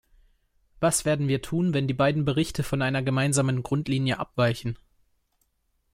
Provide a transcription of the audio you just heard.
Was werden wir tun, wenn die beiden Berichte von einer gemeinsamen Grundlinie abweichen?